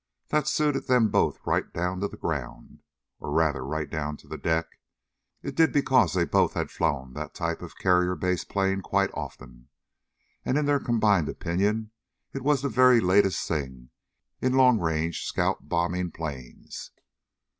That suited them both right down to the ground. Or rather, right down to the deck. It did because they both had flown that type of carrier based plane quite often. And in their combined opinion it was the very latest thing in long range scout bombing planes.